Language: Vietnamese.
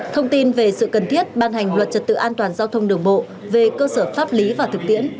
thông tin về sự cần thiết ban hành luật trật tự an toàn giao thông đường bộ về cơ sở pháp lý và thực tiễn